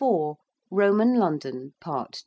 ROMAN LONDON. PART II.